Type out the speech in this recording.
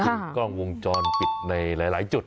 ภาพจากกล้องวงจรปิดในหลายจุด